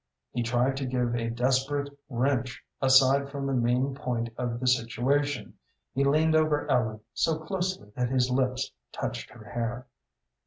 He tried to give a desperate wrench aside from the main point of the situation. He leaned over Ellen, so closely that his lips touched her hair.